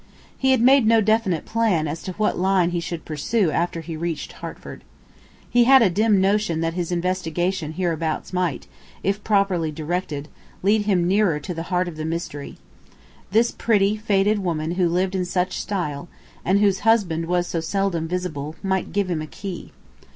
He had made no definite plan as to what line he should pursue after he reached Hertford. He had a dim notion that his investigation hereabouts might, if properly directed, lead him nearer to the heart of the mystery. This pretty, faded woman who lived in such style, and whose husband was so seldom visible, might give him a key.